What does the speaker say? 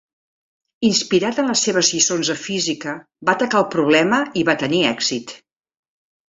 Inspirat en les seves lliçons de física va atacar el problema i va tenir èxit.